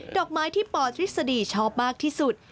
ดอกไม้ที่ปทฤษฎีชอบมากที่สุด